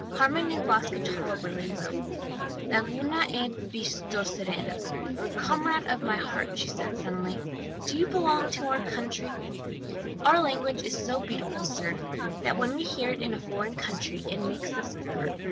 Carmen knew Basque tolerably well. "'Laguna ene bihotsarena, comrade of my heart,' said she suddenly. 'Do you belong to our country?' "Our language is so beautiful, sir, that when we hear it in a foreign country it makes us quiver.